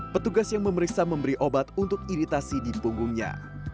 petugas yang memeriksa memberi obat untuk iritasi di punggungnya